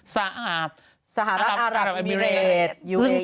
สหรัฐสหรัฐอัลบิเลสอัลบิเลส